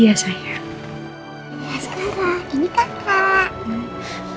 ya sekarang ini kakak